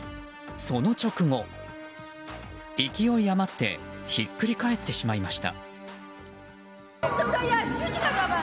その直後勢い余ってひっくりかえってしまいました。